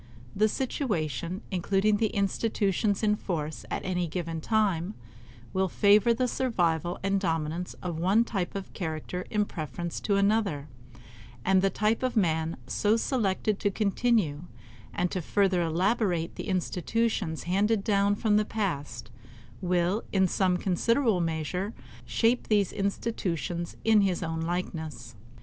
The situation, including the institutions in force at any given time, will favor the survival and dominance of one type of character in preference to another; and the type of man so selected to continue and to further elaborate the institutions handed down from the past will in some considerable measure shape these institutions in his own likeness.